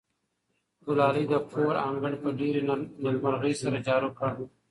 ګلالۍ د کور انګړ په ډېرې نېکمرغۍ سره جارو کړ.